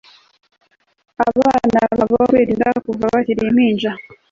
abana babo kwirinda kuva bakiri impinja